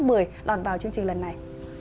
xin chào các bạn vào chương trình lần này